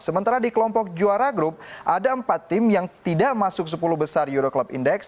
sementara di kelompok juara grup ada empat tim yang tidak masuk sepuluh besar euro club index